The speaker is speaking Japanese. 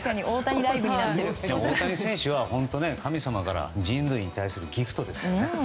大谷選手は本当に神様から人類に対するギフトですからね。